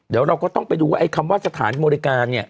เดี๋ยวเราก็ต้องไปดูไอ้คำว่าสถานบริการ